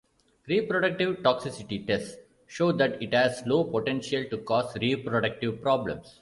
Reproductive toxicity tests show that it has low potential to cause reproductive problems.